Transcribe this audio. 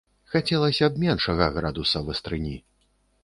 Хацелася б меншага градуса вастрыні.